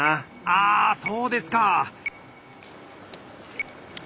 あそうですか。